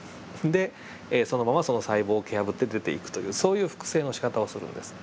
でそのままその細胞を蹴破って出ていくというそういう複製のしかたをするんです。